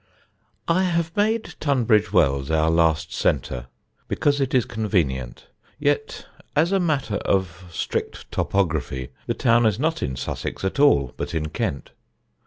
I have made Tunbridge Wells our last centre, because it is convenient; yet as a matter of strict topography, the town is not in Sussex at all, but in Kent.